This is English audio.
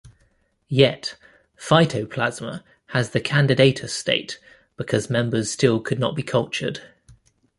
Yet, "Phytoplasma" has the candidatus state, because members still could not be cultured.